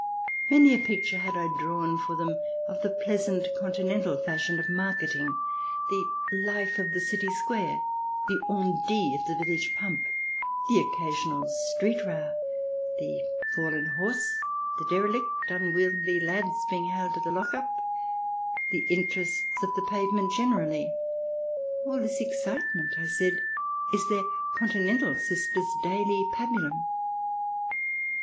Many a picture had I drawn for them of the pleasant Continental fashion of marketing, the " life of the city square," the on dits of the village pump, the occasional street row, the fallen horse, the derelict, unwieldy lads being haled to the lock up, the interests of the pavement gener ally. All this excitement, I said, is their Continental sisters' daily pabulum.